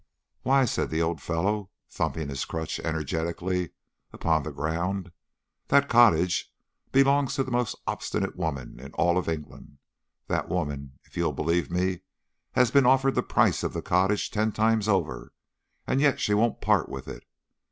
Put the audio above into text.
"Why," said the old fellow, thumping his crutch energetically upon the ground, "that cottage belongs to the most obstinate woman in all England. That woman, if you'll believe me, has been offered the price of the cottage ten times over, and yet she won't part with it.